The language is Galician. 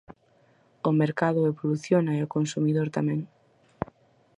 O mercado evoluciona e o consumidor tamén.